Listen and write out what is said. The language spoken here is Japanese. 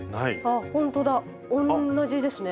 ほんとだ同じですね。